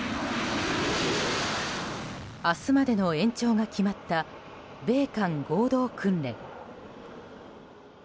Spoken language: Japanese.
明日までの延長が決まった米韓合同訓練。